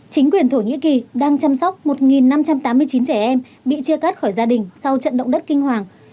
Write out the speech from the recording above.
chính quyền thổ nhĩ kỳ đang chăm sóc một năm trăm tám mươi chín trẻ em bị chia cắt khỏi gia đình sau trận động đất kinh hoàng